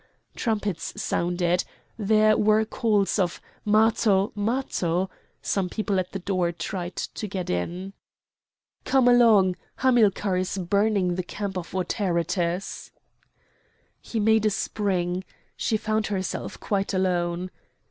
Trumpets sounded. There were calls of "Matho! Matho!" Some people at the door tried to get in. "Come along! Hamilcar is burning the camp of Autaritus!" He made a spring. She found herself quite alone.